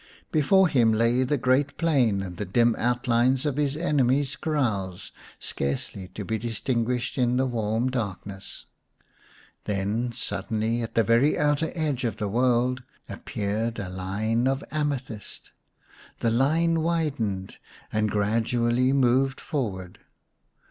Before him lay the great plain and the dim outlines of his enemy's kraals, scarcely to be distinguished in the warm darkness. Then suddenly, at the very outer edge of the world, appeared a line of amethyst. The line widened and gradually moved forward.